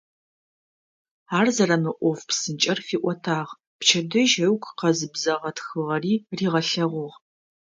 Ар зэрэмыӏоф псынкӏэр фиӏотагъ, пчэдыжь ыгу къэзыбзэгъэ тхыгъэри ригъэлъэгъугъ.